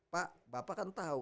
pak bapak kan tahu